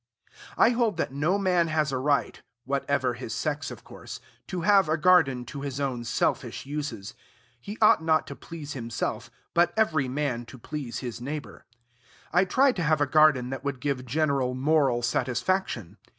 I hold that no man has a right (whatever his sex, of course) to have a garden to his own selfish uses. He ought not to please himself, but every man to please his neighbor. I tried to have a garden that would give general moral satisfaction.